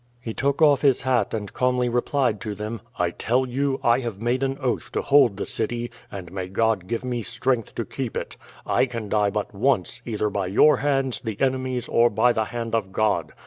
He took off his hat and calmly replied to them: "I tell you I have made an oath to hold the city, and may God give me strength to keep it. I can die but once either by your hands, the enemy's, or by the hand of God.